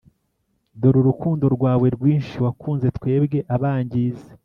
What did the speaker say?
Dore urukundo rwawe rwinshi wakunze twebwe abangizi